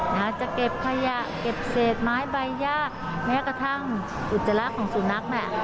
จะเก็บขยะเก็บเศษไม้ใบย่าแม้กระทั่งอุจจาระของสุนัขน่ะ